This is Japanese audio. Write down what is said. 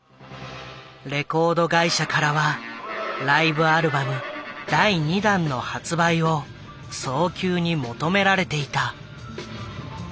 レコード会社からはライブアルバム第２弾の発売を早急に求められていた。